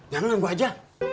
jangan gue aja